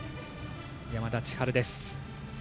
山田千遥です。